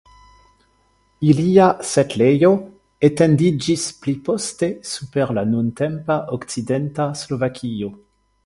Ilia setlejo etendiĝis pli poste super la nuntempa okcidenta Slovakio.